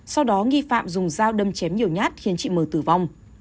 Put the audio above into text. sau đó nghi phạm dùng dao đâm chém nhiều nhát khiến chị m tử vong